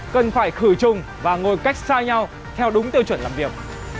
cần phải khử trùng và ngồi cách xa nhau theo đúng tiêu chuẩn làm việc